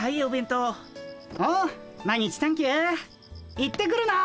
行ってくるな！